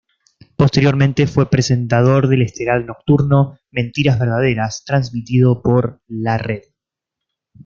Posteriormente fue presentador del estelar nocturno "Mentiras verdaderas", transmitido por La Red.